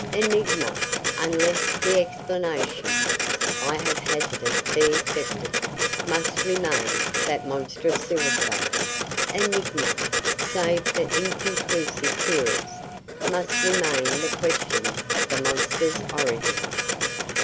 Enigma, unless the explanations I have hazarded be accepted, must remain that monstrous suicide. Enigma, save for inconclusive theories, must remain the question of the Monster's origin.